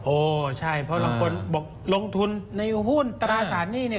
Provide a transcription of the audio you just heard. โอ้ใช่เพราะบางคนบอกลงทุนในหุ้นตราสารหนี้เนี่ย